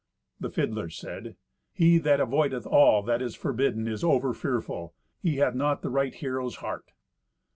The fiddler said, "He that avoideth all that is forbidden is over fearful. He hath not the right hero's heart."